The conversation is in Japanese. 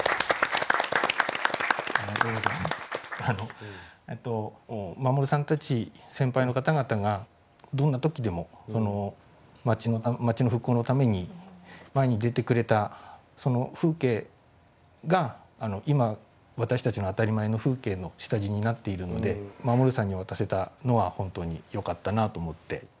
あのえっと守さんたち先輩の方々がどんな時でも町の復興のために前に出てくれたその風景が今私たちの当たり前の風景の下地になっているので守さんに渡せたのは本当によかったなと思って。